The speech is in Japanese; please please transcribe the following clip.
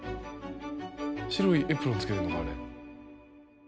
白いエプロンつけてるのかあれ。